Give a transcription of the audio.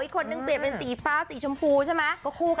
อีกคนเปรียบเป็นสีฟ้าสีชมพู